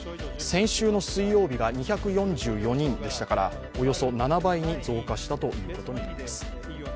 先週の水曜日が２４４人ですから、およそ７倍に増加したということになります。